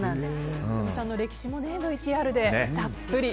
仁美さんの歴史もＶＴＲでたっぷり。